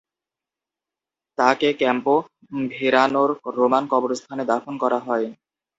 তাকে Campo ভেরানোর Roman কবরস্থানে দাফন করা হয়।